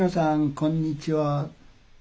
「こんにちは」。